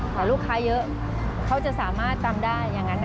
ลูกค้าเยอะเขาจะสามารถจำได้อย่างนั้น